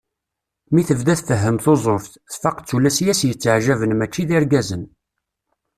Mi tebda tfehhem tuzzuft, tfaq d tullas i as-yetteεjaben mačči d irgazen.